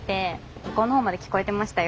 向こうのほうまで聞こえてましたよ。